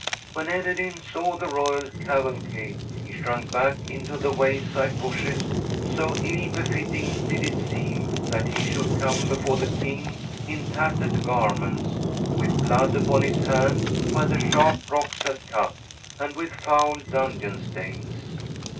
When Ederyn saw the royal cavalcade, he shrunk back into the wayside bushes, so ill befitting did it seem that he should come before the king in tattered garments, with blood upon his hands where the sharp rocks had cut, and with foul dungeon stains.